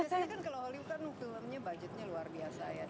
biasanya kan kalau hollywood kan filmnya budgetnya luar biasa ya